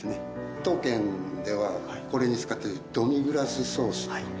当軒ではこれに使ってるドミグラスソース。